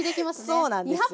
そうなんですよ。